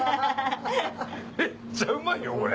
めっちゃうまいよこれ！